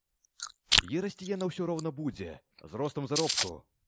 І расці яна ўсё роўна будзе, з ростам заробку.